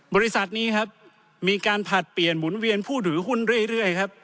บริษัทนี้ครับมีการผลัดเปลี่ยนหมุนเวียนผู้ถือหุ้นเรื่อยครับ